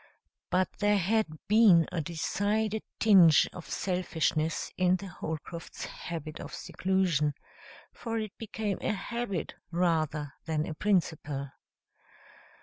But there had been a decided tinge of selfishness in the Holcrofts' habit of seclusion; for it became a habit rather than a principle.